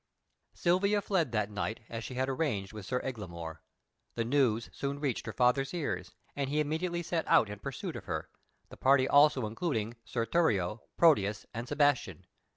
Silvia fled that night, as she had arranged with Sir Eglamour. The news soon reached her father's ears, and he immediately set out in pursuit of her, the party also including Sir Thurio, Proteus, and Sebastian.